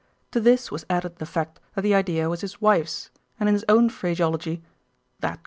To this was added the fact that the idea was his wife's, and in his own phraseology, "that goes."